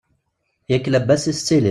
Yak labas i tettiliḍ!